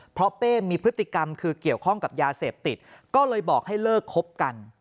เพราะเป้มีพฤติกรรมคือเกี่ยวข้องกับยาเสพติดก็เลยบอกให้เลิกคบกัน